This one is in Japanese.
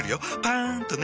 パン！とね。